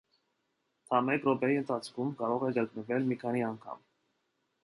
Դա մեկ րոպեի ընթացքում կարող է կրկնվել մի քանի անգամ։